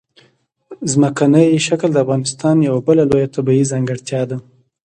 ځمکنی شکل د افغانستان یوه بله لویه طبیعي ځانګړتیا ده.